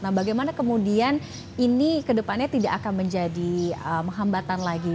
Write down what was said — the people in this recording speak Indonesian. nah bagaimana kemudian ini kedepannya tidak akan menjadi hambatan lagi